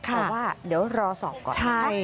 เพราะว่าเดี๋ยวรอสอบก่อนนะคะ